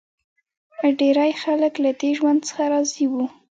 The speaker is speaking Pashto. ډېری خلک له دې ژوند څخه راضي وو